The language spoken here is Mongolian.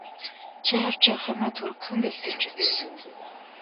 Чи авч явах юмаа түргэхэн бэлдэж үз.